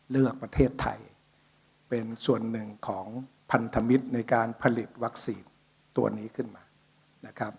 เลือกประเทศไทยเป็นส่วนหนึ่งของพันธมิตรในการผลิตวัคซีนตัวนี้ขึ้นมานะครับ